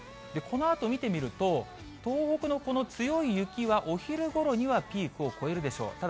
このあと見てみると、東北のこの強い雪はお昼ごろにはピークを越えるでしょう。